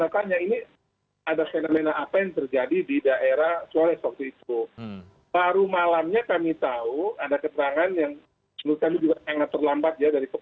karena kejadian ini